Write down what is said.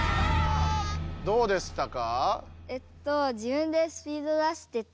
どうでしたか？